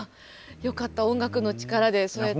よかった音楽の力でそうやって。